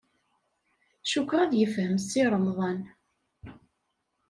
Cukkeɣ ad yefhem Si Remḍan.